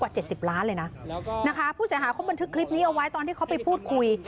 ๗๐ล้านเลยนะนะคะผู้เสียหายเขาบันทึกคลิปนี้เอาไว้ตอนที่เขาไปพูดคุย